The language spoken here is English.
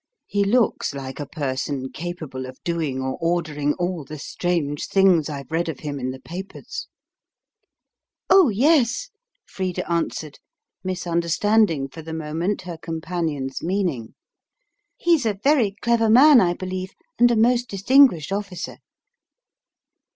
He looks like a person capable of doing or ordering all the strange things I've read of him in the papers." "Oh, yes," Frida answered, misunderstanding for the moment her companion's meaning. "He's a very clever man, I believe, and a most distinguished officer."